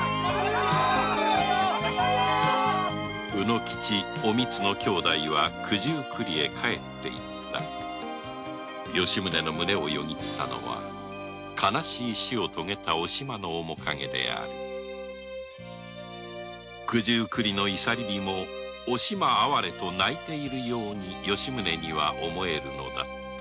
卯之吉おみつの二人は九十九里へ帰って行った吉宗の胸をよぎったのは悲しい死をとげたおしまの面影である九十九里の漁り火もおしま哀れと泣いているように吉宗には思えるのだった